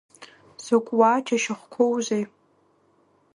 Закә уаа џьашьахәқәоузеи!